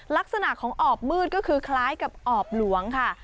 ลักษณะของออบมืดก็คือคล้ายกับออบหลวงค่ะ